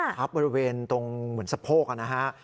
ทับบริเวณตรงเหมือนสะโพกนะฮะ